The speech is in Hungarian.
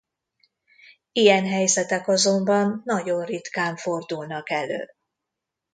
Ilyen helyzetek azonban nagyon ritkán fordulnak elő.